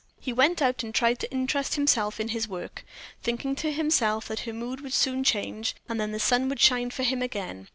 He went out and tried to interest himself in his work, thinking to himself that her mood would soon change, and then the sun would shine for him again.